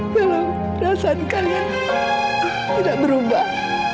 kalau perasaan kalian tidak berubah